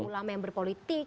ulama yang berpolitik